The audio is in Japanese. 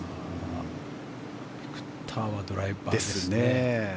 ビクターはドライバーですね。